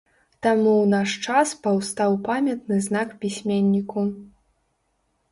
Там у наш час паўстаў памятны знак пісьменніку.